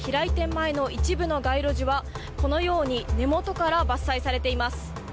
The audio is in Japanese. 前の一部の街路樹はこのように根元から伐採されています。